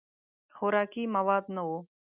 خوراکي مواد نه وو.